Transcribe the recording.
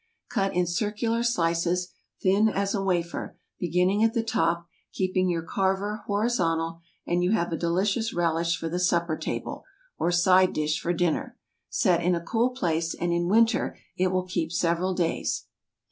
Cut in circular slices—thin as a wafer—beginning at the top, keeping your carver horizontal, and you have a delicious relish for the supper table, or side dish for dinner. Set in a cool place, and in winter it will keep several days.